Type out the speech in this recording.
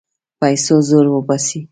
پیسو زور وباسي.